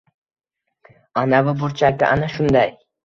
Anavi burchakka. Ana, shunday!